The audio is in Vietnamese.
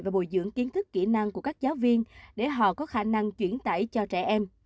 và bồi dưỡng kiến thức kỹ năng của các giáo viên để họ có khả năng chuyển tải cho trẻ em